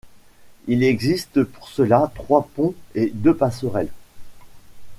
Il existe pour cela trois ponts et deux passerelles.